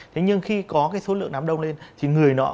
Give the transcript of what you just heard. thế nhưng khi có cái số lượng đám đông lên thì người nọ